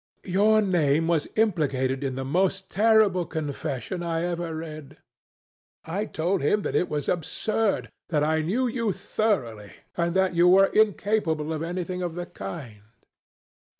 Your name was implicated in the most terrible confession I ever read. I told him that it was absurd—that I knew you thoroughly and that you were incapable of anything of the kind.